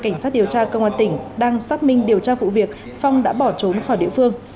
cảnh sát điều tra công an tỉnh đang xác minh điều tra vụ việc phong đã bỏ trốn khỏi địa phương